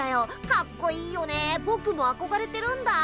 かっこいいよねぼくもあこがれてるんだ。